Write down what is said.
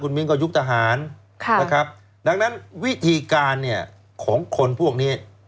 คุณวิงก็ยุคทหารครับครับดังนั้นวิธีการเนี้ยของคนพวกนี้